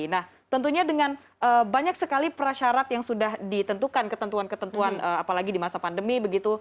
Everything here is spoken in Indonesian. nah tentunya dengan banyak sekali prasyarat yang sudah ditentukan ketentuan ketentuan apalagi di masa pandemi begitu